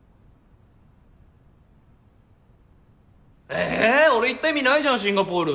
えぇ俺行った意味ないじゃんシンガポール。